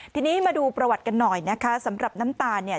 ทีนี้มาดูประวัติกันหน่อยนะคะสำหรับน้ำตาลเนี่ย